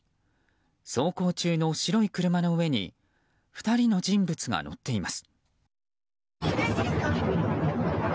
走行中の白い車の上に２人の人物が乗っています。